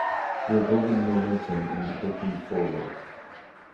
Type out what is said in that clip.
We're building momentum and looking forward.